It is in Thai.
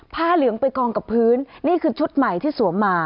เหลืองไปกองกับพื้นนี่คือชุดใหม่ที่สวมมา